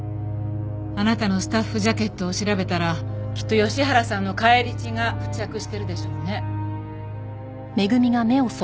あなたのスタッフジャケットを調べたらきっと吉原さんの返り血が付着してるでしょうね。